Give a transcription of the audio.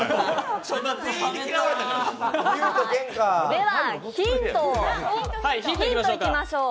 では、ヒントいきましょう。